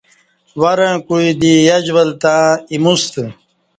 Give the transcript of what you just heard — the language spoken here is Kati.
ورں کوعی دی یش ول تں ایموستہ